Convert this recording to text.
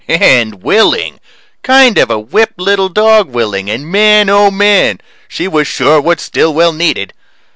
And willing. Kind of a whipped little dog willing, and man oh man! She was sure what Stillwell needed.